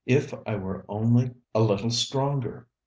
If I were only a little stronger!